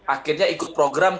akhirnya ikut program kan